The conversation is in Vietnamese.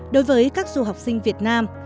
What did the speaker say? đối với các du học sinh việt nam